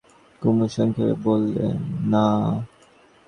কুমু সংক্ষেপে বললে, না।